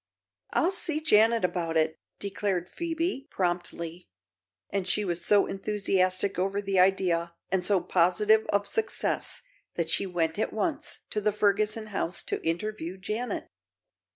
"I'll see Janet about it," declared Phoebe, promptly, and she was so enthusiastic over the idea and so positive of success that she went at once to the Ferguson house to interview Janet.